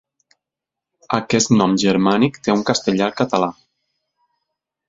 Aquest nom germànic té un Castellar català.